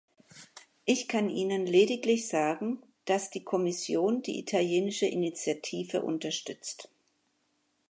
Ich kann Ihnen lediglich sagen, dass die Kommission die italienische Initiative unterstützt.